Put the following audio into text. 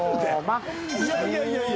いやいやいやいや。